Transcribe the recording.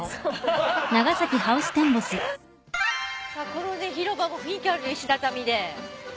このね広場も雰囲気あるね石畳で。